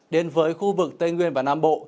đến với khu vực tây nguyên và nam bộ